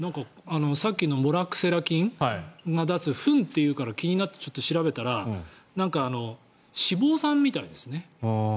さっきのモラクセラ菌が出すフンというから気になって、ちょっと調べたら脂肪酸みたいですね。